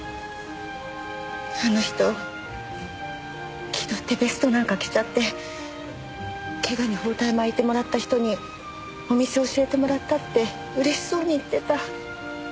あの人気取ってベストなんか着ちゃって「怪我に包帯巻いてもらった人にお店教えてもらった」って嬉しそうに言ってた。